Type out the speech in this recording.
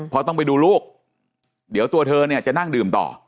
เพราะต้องไปดูลูกเดี๋ยวตัวเธอเนี่ยจะนั่งดื่มต่อ